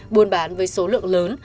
buôn bán với số lượng lớn